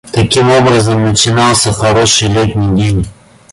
Таким образом начинался хороший летний день.